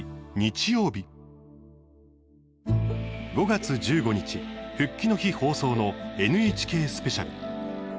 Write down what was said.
５月１５日、復帰の日放送のＮＨＫスペシャル。